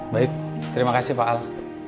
baik terima kasih pak al